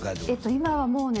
今はもうね